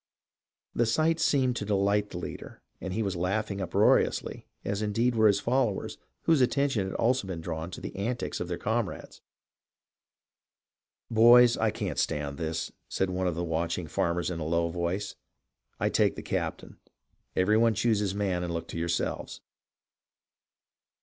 The sight seemed to delight the leader, and he was laughing uproariously, as indeed were his followers, whose attention had also been drawn to the antics of their comrades. " Boys, I can't stand this," said one of the watching farmers in a low voice. " I take the captain. Every one choose his man and look to yourselves."